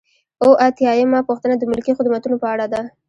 اووه اتیا یمه پوښتنه د ملکي خدمتونو په اړه ده.